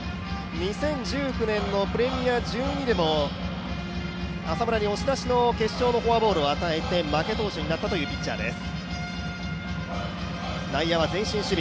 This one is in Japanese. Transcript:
２０１９年のプレミア１２でも浅村に押し出しの決勝のフォアボールを与えて負け投手になったというピッチャーです。